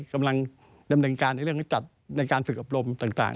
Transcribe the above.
กำลังดำเนินการในเรื่องนี้จัดในการฝึกอบรมต่าง